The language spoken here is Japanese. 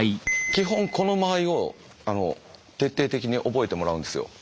基本この間合いを徹底的に覚えてもらうんですよ。